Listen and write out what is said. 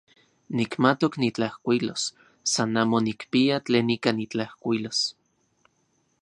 Nikmatok nitlajkuilos, san amo nikpia tlen ika nitlajkuilos.